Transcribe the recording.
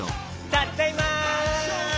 たっだいま！